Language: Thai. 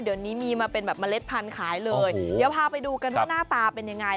เดี๋ยวนี้มีมาเป็นแบบเมล็ดพันธุ์ขายเลยเดี๋ยวพาไปดูกันว่าหน้าตาเป็นยังไง